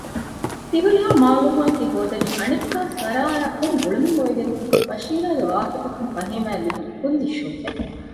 ތިހުރިހާ މަޢްލޫމާތު ތިހޯދަނީ އަނެއްކާ ސަރާއާ ކޮން ގުޅުމެއް އޮވެގެންތަ؟ ބަޝީރާގެ ވާހަކަތަކުން ފަހީމާއަށް ލިބުނީ ކުއްލި ޝޮކެއް